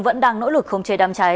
vẫn đang nỗ lực không chế đám cháy